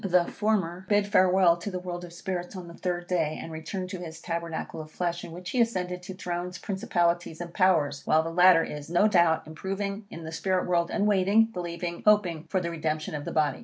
The former bid farewell to the world of spirits on the third day, and returned to his tabernacle of flesh, in which he ascended to thrones, principalities, and powers, while the latter is, no doubt, improving in the spirit world, and waiting, believing, hoping for the redemption of the body.